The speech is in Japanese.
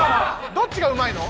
どっちがうまいの？